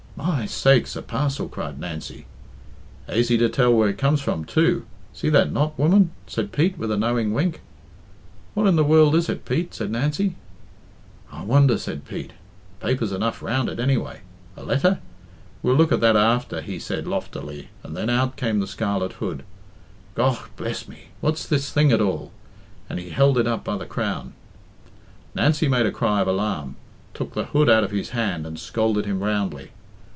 "My sakes, a parcel!" cried Nancy. "Aisy to tell where it comes from, too. See that knot, woman?" said Pete, with a knowing wink. "What in the world is it, Pete?" said Nancy. "I wonder!" said Pete. "Papers enough round it, anyway. A letter? We'll look at that after," he said loftily, and then out came the scarlet hood. "Gough bless mee what's this thing at all?" and he held it up by the crown. Nancy made a cry of alarm, took the hood out of his hand, and scolded him roundly.